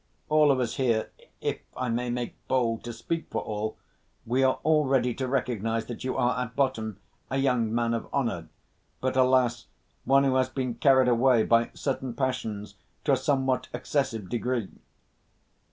All of us here, if I may make bold to speak for all, we are all ready to recognize that you are, at bottom, a young man of honor, but, alas, one who has been carried away by certain passions to a somewhat excessive degree...."